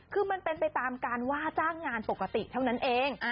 คือมันเป็นไปตามการว่าจ้างงานปกติเท่านั้นเอง